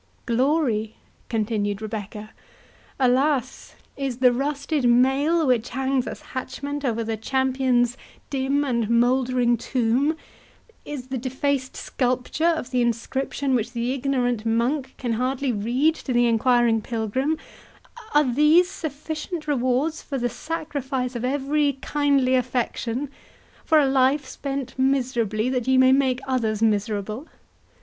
"Glory?" continued Rebecca; "alas, is the rusted mail which hangs as a hatchment over the champion's dim and mouldering tomb—is the defaced sculpture of the inscription which the ignorant monk can hardly read to the enquiring pilgrim—are these sufficient rewards for the sacrifice of every kindly affection, for a life spent miserably that ye may make others miserable?